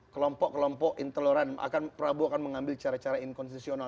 kelompok kelompok intoleran akan prabowo akan mengambil cara cara inkonstitusional